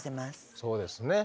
そうですね。